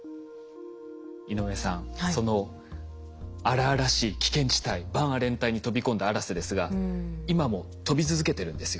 井上さんその荒々しい危険地帯バンアレン帯に飛び込んだ「あらせ」ですが今も飛び続けてるんですよ。